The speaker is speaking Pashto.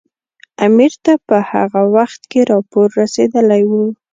امیر ته په هغه وخت کې راپور رسېدلی وو.